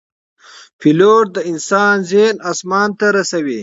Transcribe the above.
پیلوټ د انسان ذهن آسمان ته رسوي.